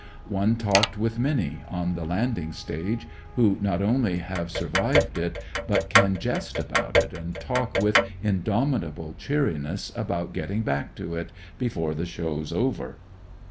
One talked with many, on the landing stage, who not only have sur vived it, but can jest about it, and talk with indomitable cheeriness about getting back to it "before the show's over."